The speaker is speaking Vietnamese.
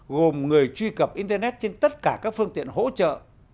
gồm người truy cập internet trên tất cả các phương tiện hỗ trợ